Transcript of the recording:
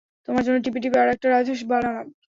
তোমার জন্য টিপে টিপে আরেকটা রাজহাঁস বানালাম।